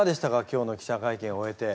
今日の記者会見終えて。